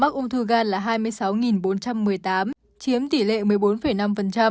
số trường hợp mắc ung thư gan là hai mươi sáu bốn trăm một mươi tám chiếm tỷ lệ một mươi bốn năm